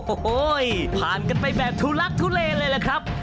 โอ้โหผ่านกันไปแบบทุลักทุเลเลยล่ะครับ